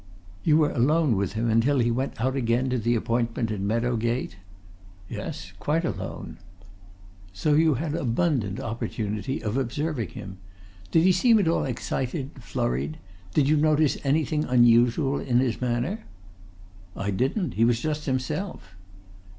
"You were alone with him, until he went out again to the appointment in Meadow Gate?" "Yes, quite alone." "So you had abundant opportunity of observing him. Did he seem at all excited, flurried, did you notice anything unusual in his manner?" "I didn't. He was just himself."